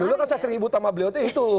dulu kan saya sering ibut sama beliau itu